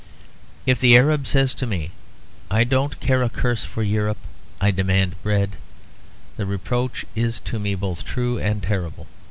If the Arab says to me, "I don't care a curse for Europe; I demand bread," the reproach is to me both true and terrible.